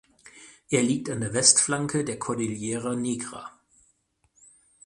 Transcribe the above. Er liegt an der Westflanke der Cordillera Negra.